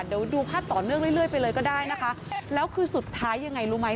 เดี๋ยวดูภาพต่อเนื่องเรื่อยไปเลยก็ได้นะคะแล้วคือสุดท้ายยังไงรู้ไหม